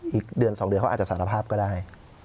อีกเดือน๒เดือนเขาอาจจะสารภาพก็ได้